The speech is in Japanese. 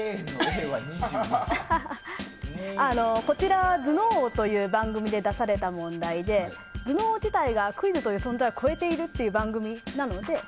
こちらは「頭脳王」という番組で出された問題で頭脳自体がクイズという存在を超えているという番組なので。